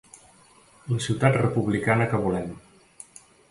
La ciutat republicana que volem.